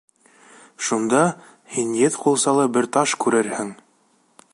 Шунда һин еҙ ҡулсалы бер таш күрерһең.